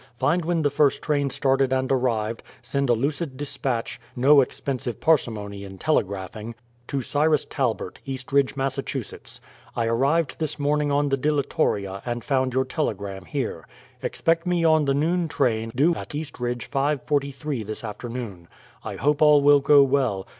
Find when the first train started and arrived send a lucid despatch no expensive parsimony in telegraphing: '"To Cyrus Talbert, Eastridge, Massachusetts: "I arrived this morning on the Dilatoria and found your telegram here. Expect me on the noon train due at Eastridge five forty three this afternoon. I hope all will go well.